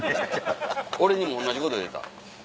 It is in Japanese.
俺にも同じこと言うた。